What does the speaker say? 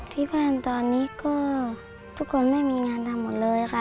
ที่บ้านตอนนี้ก็ทุกคนไม่มีงานทำหมดเลยค่ะ